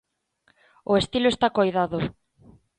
O estilo está coidado.